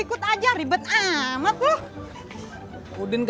cuma kapal jaket migrants daging